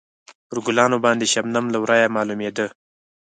پر ګلانو باندې شبنم له ورایه معلومېده.